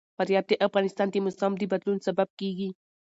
فاریاب د افغانستان د موسم د بدلون سبب کېږي.